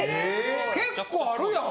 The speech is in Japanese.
結構あるやん。